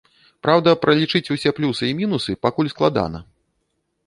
Праўда, пралічыць усе плюсы і мінусы пакуль складана.